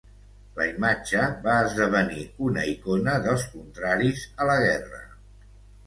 La imatge va esdevenir una icona dels contraris a la guerra.